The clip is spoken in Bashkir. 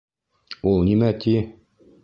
Ул нимә ти?